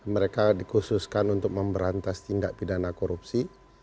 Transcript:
mereka dikhususkan untuk memberantas tindak pidana korupsi